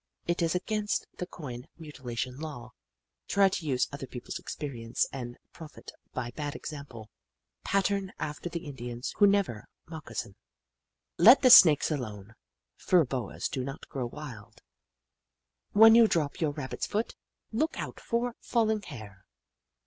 It is against the coin mutilation law. " Try to use other people's experience and profit by bad example. Pattern after the Indians, who never moccasin. " Let the Snakes alone ; fur boas do not grow wild. 158 The Book of Clever Beasts " When you drop your Rabbit's foot, look out for falling hair."